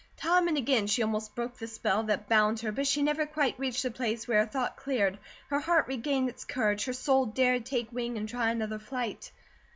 Time and again she almost broke the spell that bound her, but she never quite reached the place where her thought cleared, her heart regained its courage, her soul dared take wing, and try another flight.